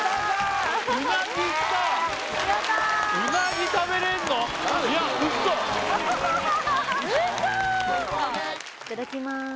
いただきまーす